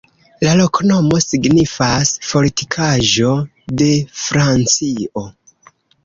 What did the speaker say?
La loknomo signifas: Fortikaĵo de Francio.